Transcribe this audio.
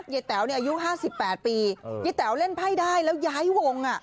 แต๋วเนี่ยอายุ๕๘ปียายแต๋วเล่นไพ่ได้แล้วย้ายวงอ่ะ